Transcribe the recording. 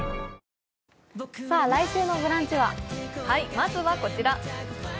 まずはこちら。